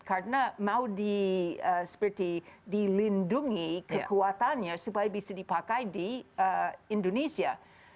karena mau dilindungi kekuatannya supaya bisa dipakai di indonesia